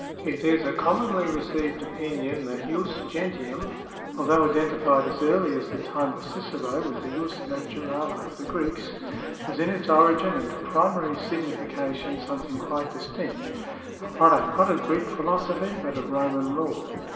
It is a commonly received opinion, that jus gentium, although iden tified as early as the time of Cicero with the jus naturale of the Greeks, was in its origin and primary signification something quite distinct — a product not of Greek philosophy but of Roman law.